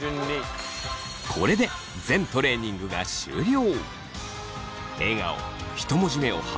これで全トレーニングが終了。